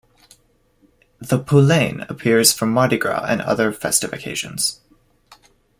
The "Poulain" appears for Mardi Gras and other festive occasions.